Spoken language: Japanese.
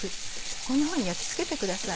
こんなふうに焼き付けてください。